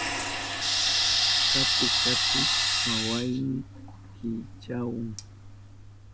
Kati kati wawayni kichahun.